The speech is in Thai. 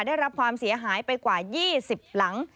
ได้รับความเสียหายไปกว่า๒๐หลัง